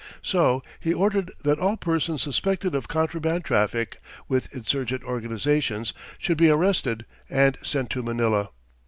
So he ordered that all persons suspected of contraband traffic with insurgent organizations should be arrested and sent to Manila.